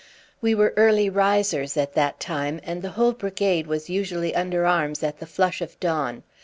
We were early risers at that time, and the whole brigade was usually under arms at the flush of dawn.